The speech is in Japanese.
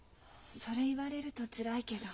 それ言われるとつらいけど。